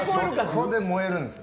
そこで燃えるんですよ。